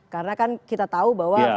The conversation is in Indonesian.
karena kan kita tahu bahwa